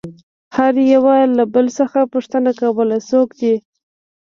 هر يوه له بل څخه پوښتنه كوله څوك دى؟